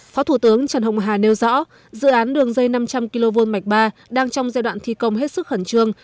phó thủ tướng trần hồng hà nêu rõ dự án đường dây năm trăm linh kv mạch ba đang trong giai đoạn thi công hết sức khẩn trương